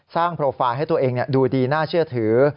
โปรไฟล์ให้ตัวเองดูดีน่าเชื่อถือ